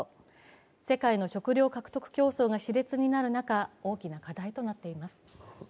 世界の食料獲得競争がしれつとなる中、大きな課題となっています。